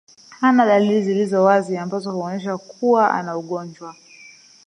Hana dalili zilizo wazi ambazo huonesha kuwa ana ugonjwa